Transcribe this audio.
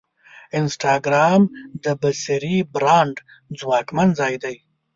انسټاګرام د بصري برانډ ځواکمن ځای دی.